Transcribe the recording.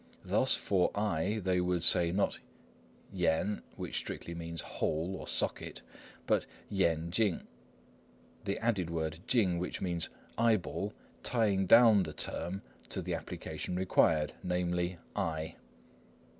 Thus, for "eye" they would say, not yen, which strictly means "hole," or "socket," but yen ching, the added word ching, which means "eyeball," tying down the term to the application required, namely, "eye."